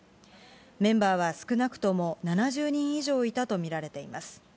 メンバーは少なくとも７０人以上いたと見られています。